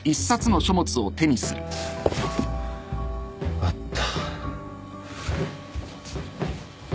あった。